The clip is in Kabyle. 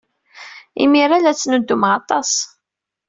Imir-a, la ttnuddumeɣ aṭas.